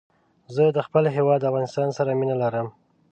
زه د خپل هېواد افغانستان سره مينه لرم